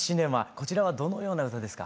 こちらはどのような歌ですか？